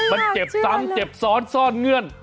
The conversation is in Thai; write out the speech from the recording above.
มันเจ็บซ้ำเจ็บซ้อนซ่อนเงื่อน